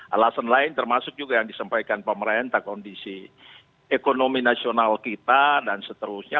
alasan lain termasuk juga yang disampaikan pemerintah kondisi ekonomi nasional kita dan seterusnya